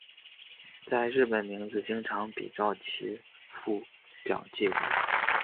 在日本名字经常比照其父表记为。